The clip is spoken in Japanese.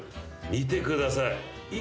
見てください。